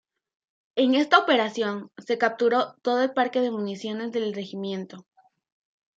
En esta operación se capturó todo el parque de municiones del regimiento.